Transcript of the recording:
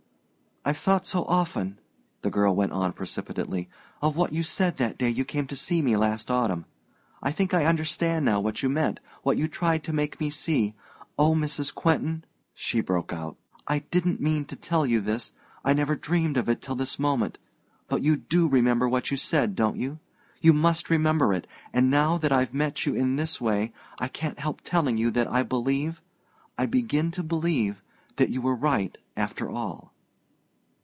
"I've thought so often," the girl went on precipitately, "of what you said that day you came to see me last autumn. I think I understand now what you meant what you tried to make me see.... Oh, Mrs. Quentin," she broke out, "I didn't mean to tell you this I never dreamed of it till this moment but you do remember what you said, don't you? You must remember it! And now that I've met you in this way, I can't help telling you that I believe I begin to believe that you were right, after all."